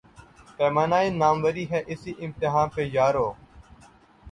پیمان ء ناموری ہے، اسی امتحاں پہ یارو